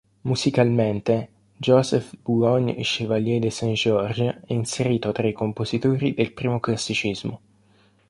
Musicalmente, Joseph Boulogne Chevalier de Saint-George è inserito tra i compositori del primo classicismo.